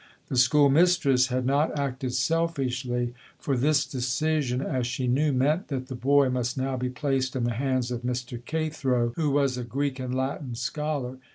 The school mistress had not acted selfishly, for this decision, as she knew, meant that the boy must now be placed in the hands of Mr. Cathro, who was a Greek and Latin scholar.